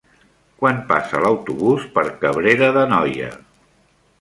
Quan passa l'autobús per Cabrera d'Anoia?